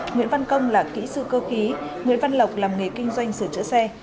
nguyễn văn công là kỹ sư cơ khí nguyễn văn lộc làm nghề kinh doanh sửa chữa xe